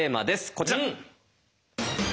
こちら！